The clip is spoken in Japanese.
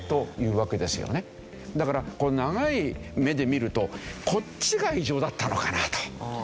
だから長い目で見るとこっちが異常だったのかなと。